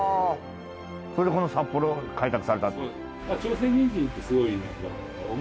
それでこの札幌が開拓された。